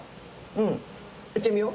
うん。いってみよう。